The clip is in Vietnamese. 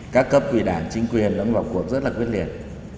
các cấp quỷ đảng chính quyền vẫn vào cuộc rất quyết liệt